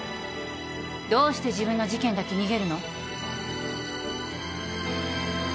どうして自分の事件だけ逃げるの？